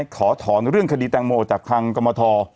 ขอถอนเรื่องคดีแตกโมครับต่างกับกรรมธ